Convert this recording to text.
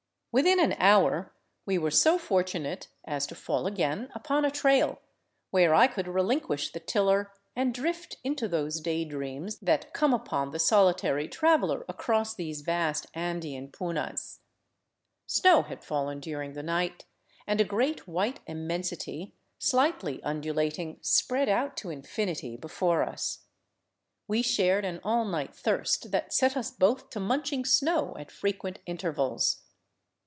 Within an hour we were so fortunate as to fall again upon a trail, where I could relinquish the tiller and drift into those day dreams that come upon the solitary traveler across these vast Andean punas. Snow had fallen during the night, and a great white immensity, slightly undu lating, spread out to infinity before us. We shared an all night thirst that set us both to munching snow at frequent intervals.